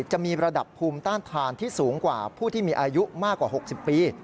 จะมีระดับภูมิต้านทานที่สูงกว่าผู้ที่มีอายุมากกว่า๖๐ปี